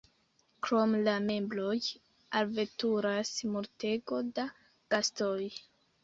Krom la membroj alveturas multego da gastoj.